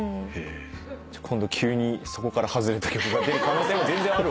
今度急にそこから外れた曲が出る可能性も全然ある。